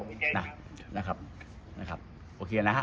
มองว่าเป็นการสกัดท่านหรือเปล่าครับเพราะว่าท่านก็อยู่ในตำแหน่งรองพอด้วยในช่วงนี้นะครับ